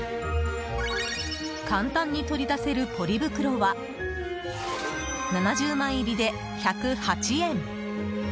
簡単に取り出せるポリ袋は７０枚入りで１０８円。